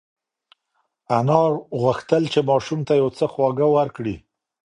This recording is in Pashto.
انا غوښتل چې ماشوم ته یو څه خواږه ورکړي.